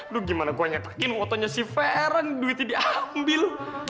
loh gimana gue nyetekin fotonya si fereng duitnya diambil